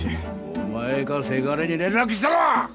お前かせがれに連絡したのは！